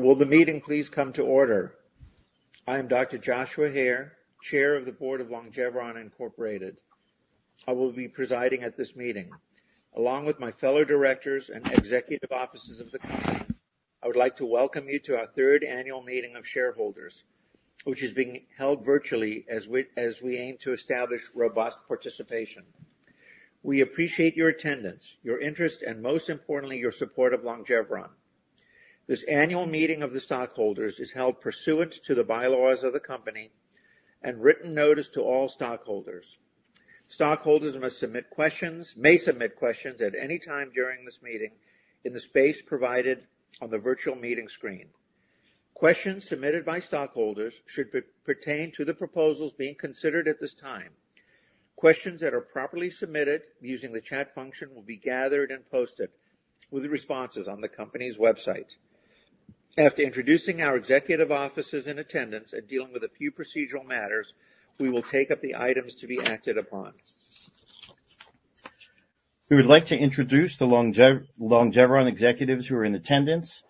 Will the meeting please come to order? I am Dr. Joshua Hare, Chair of the Board of Longeveron Incorporated. I will be presiding at this meeting. Along with my fellow directors and executive officers of the company, I would like to welcome you to our third annual meeting of shareholders, which is being held virtually as we aim to establish robust participation. We appreciate your attendance, your interest, and most importantly, your support of Longeveron. This annual meeting of the stockholders is held pursuant to the bylaws of the company and written notice to all stockholders. Stockholders may submit questions at any time during this meeting in the space provided on the virtual meeting screen. Questions submitted by stockholders should pertain to the proposals being considered at this time. Questions that are properly submitted using the chat function will be gathered and posted with the responses on the company's website. After introducing our executive officers in attendance and dealing with a few procedural matters, we will take up the items to be acted upon. We would like to introduce the Longeveron executives who are in attendance: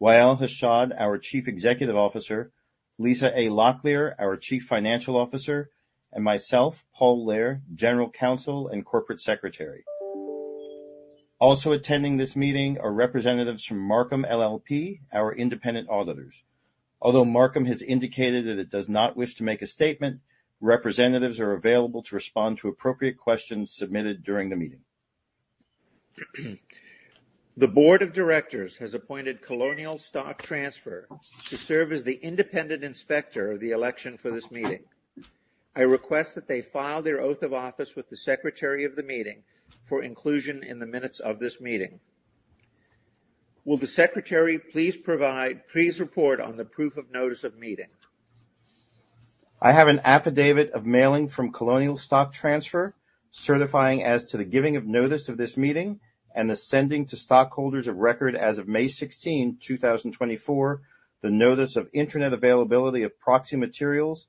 Wa'el Hashad, our Chief Executive Officer, Lisa A. Locklear, our Chief Financial Officer, and myself, Paul Lehr, General Counsel and Corporate Secretary. Also attending this meeting are representatives from Marcum LLP, our independent auditors. Although Marcum has indicated that it does not wish to make a statement, representatives are available to respond to appropriate questions submitted during the meeting. The Board of Directors has appointed Colonial Stock Transfer to serve as the independent inspector of the election for this meeting. I request that they file their oath of office with the Secretary of the meeting for inclusion in the minutes of this meeting. Will the Secretary please provide a report on the proof of notice of meeting? I have an affidavit of mailing from Colonial Stock Transfer certifying as to the giving of notice of this meeting and the sending to stockholders of record as of May 16, 2024, the Notice of Internet Availability of Proxy Materials,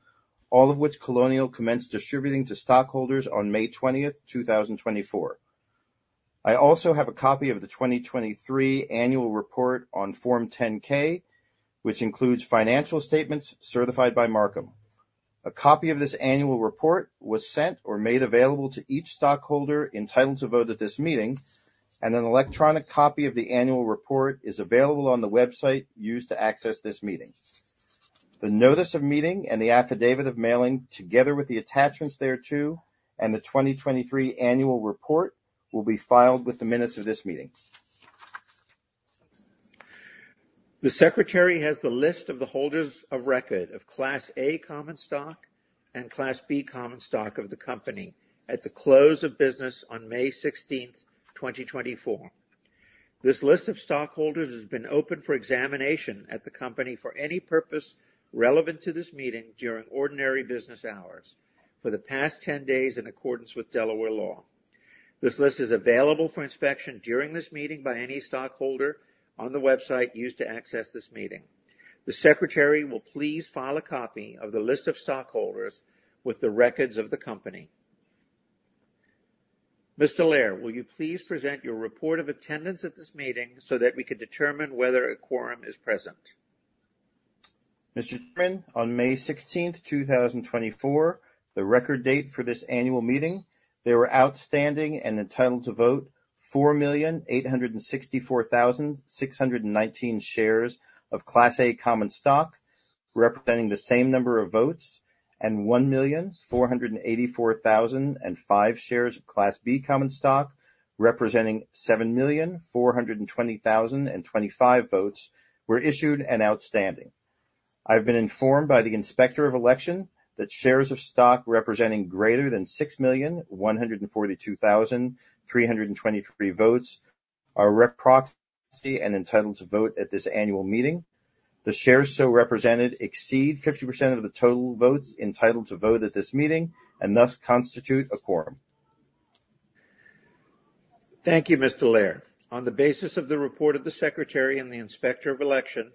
all of which Colonial commenced distributing to stockholders on May 20, 2024. I also have a copy of the 2023 annual report on Form 10-K, which includes financial statements certified by Marcum. A copy of this annual report was sent or made available to each stockholder entitled to vote at this meeting, and an electronic copy of the annual report is available on the website used to access this meeting. The notice of meeting and the affidavit of mailing, together with the attachments thereto, and the 2023 annual report will be filed with the minutes of this meeting. The Secretary has the list of the holders of record of Class A Common Stock and Class B Common Stock of the company at the close of business on May 16, 2024. This list of stockholders has been open for examination at the company for any purpose relevant to this meeting during ordinary business hours for the past 10 days in accordance with Delaware law. This list is available for inspection during this meeting by any stockholder on the website used to access this meeting. The Secretary will please file a copy of the list of stockholders with the records of the company. Mr. Lehr, will you please present your report of attendance at this meeting so that we can determine whether a quorum is present? Mr. Chairman, on May 16, 2024, the record date for this annual meeting, there were outstanding and entitled to vote 4,864,619 shares of Class A Common Stock representing the same number of votes, and 1,484,005 shares of Class B Common Stock representing 7,420,025 votes were issued and outstanding. I've been informed by the Inspector of Election that shares of stock representing greater than 6,142,323 votes are represented by proxy and entitled to vote at this annual meeting. The shares so represented exceed 50% of the total votes entitled to vote at this meeting and thus constitute a quorum. Thank you, Mr. Lehr. On the basis of the report of the Secretary and the Inspector of Election,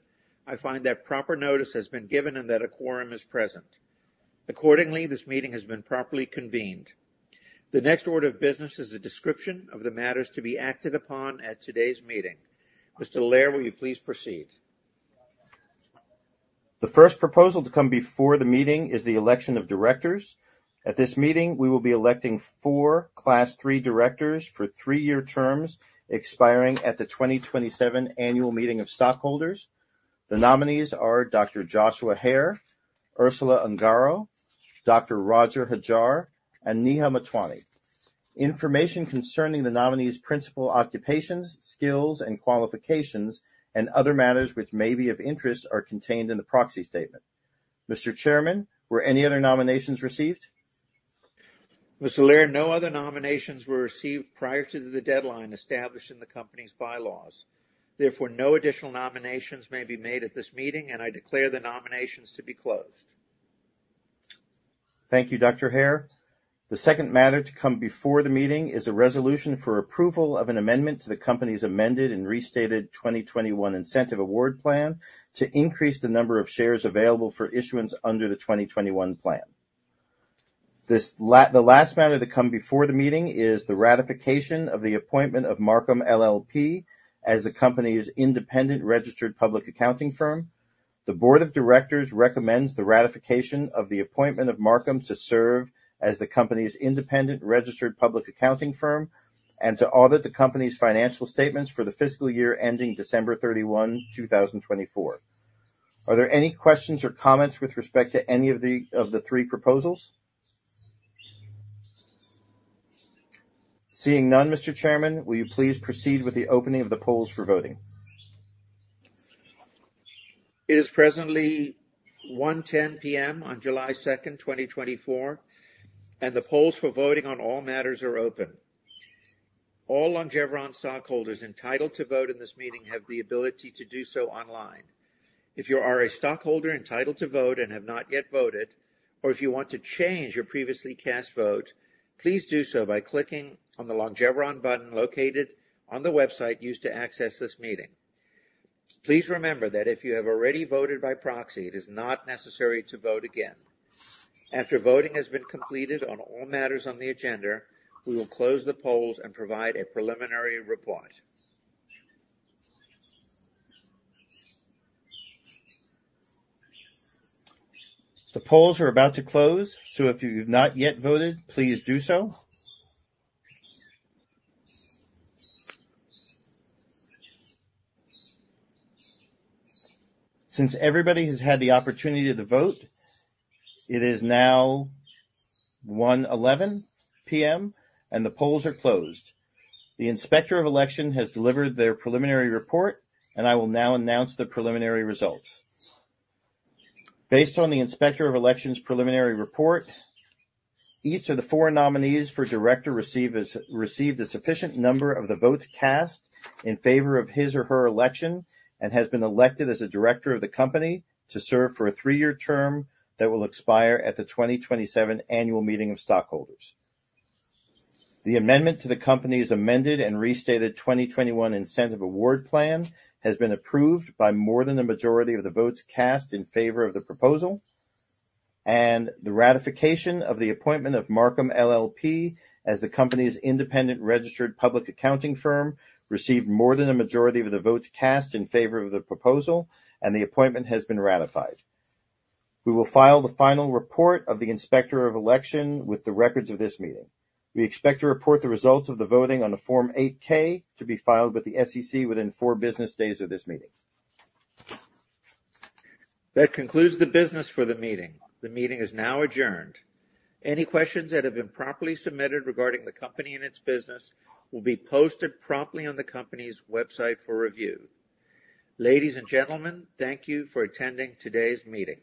I find that proper notice has been given and that a quorum is present. Accordingly, this meeting has been properly convened. The next order of business is a description of the matters to be acted upon at today's meeting. Mr. Lehr, will you please proceed? The first proposal to come before the meeting is the election of directors. At this meeting, we will be electing four Class III directors for three-year terms expiring at the 2027 annual meeting of stockholders. The nominees are Dr. Joshua Hare, Ursula Ungaro, Dr. Roger Hajjar, and Neha Motwani. Information concerning the nominees' principal occupations, skills, and qualifications, and other matters which may be of interest are contained in the proxy statement. Mr. Chairman, were any other nominations received? Mr. Lehr, no other nominations were received prior to the deadline established in the company's Bylaws. Therefore, no additional nominations may be made at this meeting, and I declare the nominations to be closed. Thank you, Dr. Hare. The second matter to come before the meeting is a resolution for approval of an amendment to the company's Amended and Restated 2021 Incentive Award Plan to increase the number of shares available for issuance under the 2021 plan. The last matter to come before the meeting is the ratification of the appointment of Marcum LLP as the company's independent registered public accounting firm. The Board of Directors recommends the ratification of the appointment of Marcum to serve as the company's independent registered public accounting firm and to audit the company's financial statements for the fiscal year ending December 31, 2024. Are there any questions or comments with respect to any of the three proposals? Seeing none, Mr. Chairman, will you please proceed with the opening of the polls for voting? It is presently 1:10 P.M. on July 2, 2024, and the polls for voting on all matters are open. All Longeveron stockholders entitled to vote in this meeting have the ability to do so online. If you are a stockholder entitled to vote and have not yet voted, or if you want to change your previously cast vote, please do so by clicking on the Longeveron button located on the website used to access this meeting. Please remember that if you have already voted by proxy, it is not necessary to vote again. After voting has been completed on all matters on the agenda, we will close the polls and provide a preliminary report. The polls are about to close, so if you have not yet voted, please do so. Since everybody has had the opportunity to vote, it is now 1:11 P.M., and the polls are closed. The Inspector of Election has delivered their preliminary report, and I will now announce the preliminary results. Based on the Inspector of Election's preliminary report, each of the four nominees for director received a sufficient number of the votes cast in favor of his or her election and has been elected as a director of the company to serve for a three-year term that will expire at the 2027 annual meeting of stockholders. The amendment to the company's amended and restated 2021 Incentive Award Plan has been approved by more than the majority of the votes cast in favor of the proposal, and the ratification of the appointment of Marcum LLP as the company's independent registered public accounting firm received more than the majority of the votes cast in favor of the proposal, and the appointment has been ratified. We will file the final report of the Inspector of Election with the records of this meeting. We expect to report the results of the voting on a Form 8-K to be filed with the SEC within four business days of this meeting. That concludes the business for the meeting. The meeting is now adjourned. Any questions that have been properly submitted regarding the company and its business will be posted promptly on the company's website for review. Ladies and gentlemen, thank you for attending today's meeting.